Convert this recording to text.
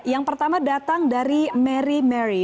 yang pertama datang dari mary mary